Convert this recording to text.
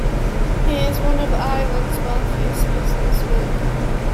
He is one of Ireland's wealthiest businessmen.